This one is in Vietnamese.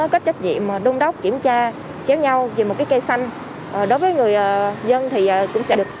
có trách nhiệm đôn đốc kiểm tra chéo nhau về một cái cây xanh đối với người dân thì cũng sẽ được